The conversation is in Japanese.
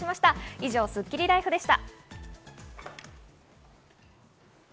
以上、スッキリＬＩＦＥでした。